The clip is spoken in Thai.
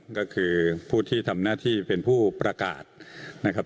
ก็คือผู้ที่ทำหน้าที่เป็นผู้ประกาศนะครับ